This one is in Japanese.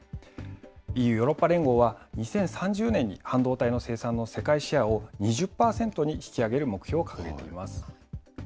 ＥＵ・ヨーロッパ連合は、２０３０年に、半導体の生産の世界シェアを２０％に引き上げる目標を掲げています。